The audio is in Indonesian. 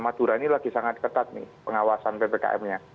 madura ini lagi sangat ketat nih pengawasan ppkm nya